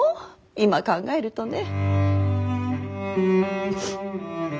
今考えるとね。